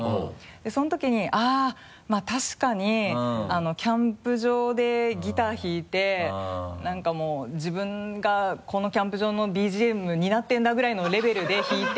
でその時にあぁまぁ確かにキャンプ場でギター弾いて何かもう自分がこのキャンプ場のＢＧＭ担ってるんだぐらいのレベルで弾いて。